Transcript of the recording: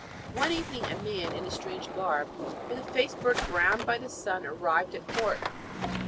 One evening a man in a strange garb, with a face burnt brown by the sun, arrived at court.